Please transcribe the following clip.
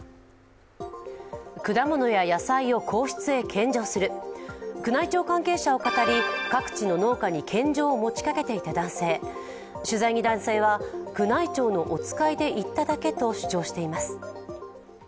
果物や野菜を皇室へ献上する宮内庁関係者をかたり各地の農家に献上を持ちかけていた男性、取材に男性は宮内庁のおつかいで行っただけと主張しています。